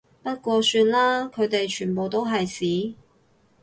不過算啦，佢哋全部都係屎